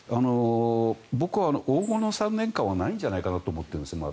僕は黄金の３年間はないんじゃないかなと思ってるんです。